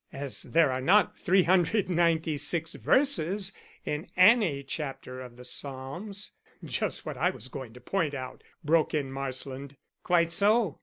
As there are not 396 verses in any chapter of the Psalms " "Just what I was going to point out," broke in Marsland. "Quite so.